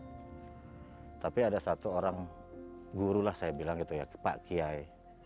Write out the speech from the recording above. tetapi ada satu orang gurulah saya bilang pak kiai